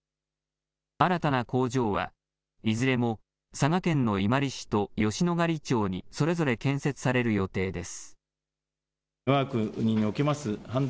新たな工場はいずれも佐賀県の伊万里市と吉野ヶ里町にそれぞれ建設される予定です。